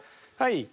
はい。